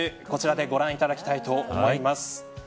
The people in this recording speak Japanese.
こちらでご覧いただきたいと思います。